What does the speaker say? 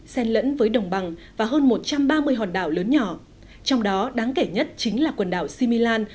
xen lẫn với đồng bằng và hơn một trăm ba mươi hòn đảo lớn nhỏ trong đó đáng kể nhất chính là quần đảo similan